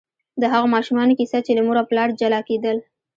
د هغو ماشومانو کیسه چې له مور او پلار جلا کېدل.